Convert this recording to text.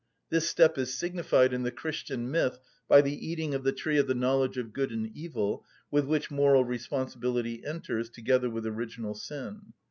This step is signified in the Christian myth by the eating of the tree of the knowledge of good and evil, with which moral responsibility enters, together with original sin.